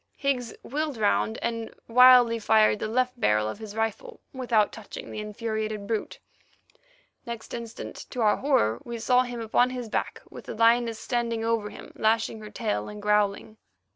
Higgs wheeled round, and wildly fired the left barrel of his rifle without touching the infuriated brute. Next instant, to our horror, we saw him upon his back, with the lioness standing over him, lashing her tail, and growling.